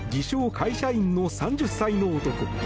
・会社員の３０歳の男。